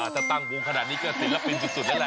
จะตั้งกูขนาดนี้ก็ศิลปินสุดแล้วแหละ